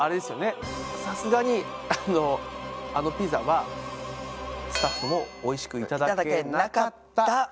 さすがにあのあのピザはスタッフもおいしくいただけなかったそうですね。